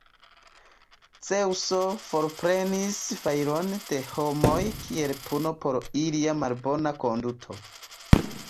Zeŭso forprenis fajron de homoj kiel puno por ilia malbona konduto.